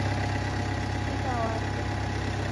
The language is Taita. Sigha wapo